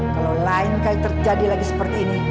kalau lain kali terjadi lagi seperti ini